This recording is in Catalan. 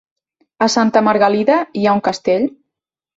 A Santa Margalida hi ha un castell?